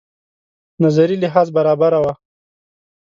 نظري لحاظ برابره وه.